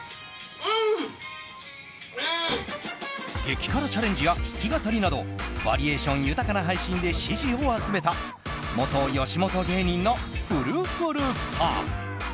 激辛チャレンジや弾き語りなどバリエーション豊かな配信で支持を集めた元吉本芸人のふるふるさん。